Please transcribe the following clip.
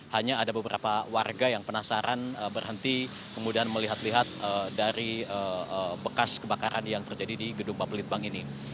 hanya ada beberapa warga yang penasaran berhenti kemudian melihat lihat dari bekas kebakaran yang terjadi di gedung bapelitbang ini